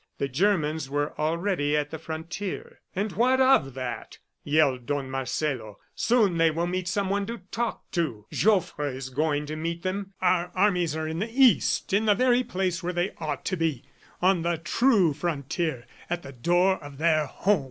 The Germans were already at the frontier. "And what of that?" yelled Don Marcelo. "Soon they will meet someone to talk to! Joffre is going to meet them. Our armies are in the East, in the very place where they ought to be, on the true frontier, at the door of their home.